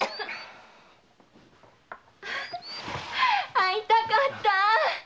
逢いたかったぁ！